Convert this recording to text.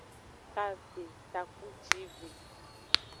Kave takpucive.